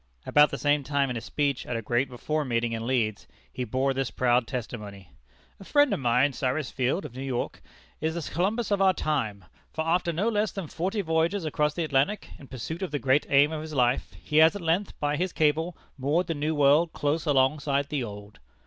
About the same time, in a speech at a great Reform Meeting in Leeds, he bore this proud testimony: "A friend of mine, Cyrus Field, of New York, is the Columbus of our time, for after no less than forty voyages across the Atlantic, in pursuit of the great aim of his life, he has at length, by his cable, moored the New World close alongside the Old."